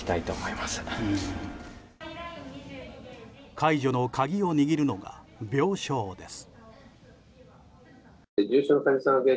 解除の鍵を握るのが病床です。